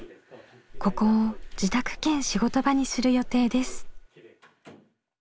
ここを自宅兼仕事場にする予定です。